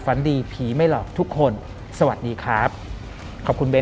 ฝันดีผีไม่หลอกทุกคนสวัสดีครับ